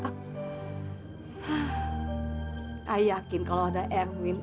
aku yakin kalau ada erwin